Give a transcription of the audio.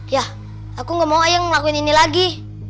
ya aku gak mau ayah ngelakuin ini lagi